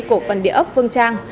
cổ phần địa ốc phương trang